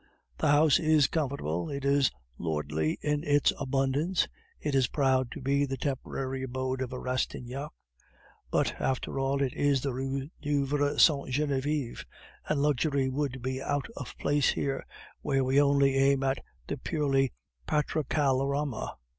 The house is comfortable, it is lordly in its abundance; it is proud to be the temporary abode of a Rastignac; but, after all, it is in the Rue Neuve Sainte Genevieve, and luxury would be out of place here, where we only aim at the purely patriarchalorama.